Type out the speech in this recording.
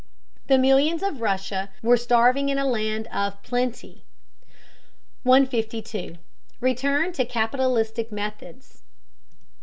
The millions of Russia were starving in a land of plenty. 152. RETURN TO CAPITALISTIC METHODS.